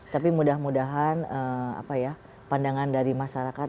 tapi mudah mudahan pandangan dari masyarakat